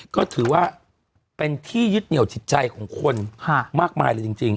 ก็ถือว่าเป็นที่ยึดเหนียวจิตใจของคนมากมายเลยจริง